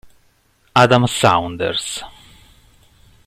Adam Saunders